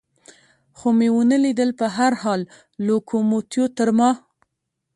خو مې و نه لیدل، په هر حال لوکوموتیو تر ما.